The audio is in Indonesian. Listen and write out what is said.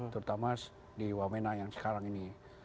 terutama di wamena yang sekarang ini